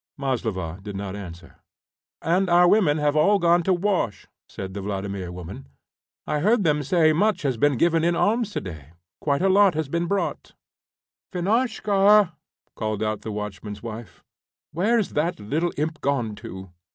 Maslova did not answer. "And our women have all gone to wash," said the Vladimir woman. "I heard them say much has been given in alms to day. Quite a lot has been brought." "Finashka," called out the watchman's wife, "where's the little imp gone to?"